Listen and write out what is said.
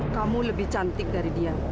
kamu lebih cantik dari dia